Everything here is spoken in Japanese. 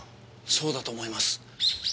そうだと思います。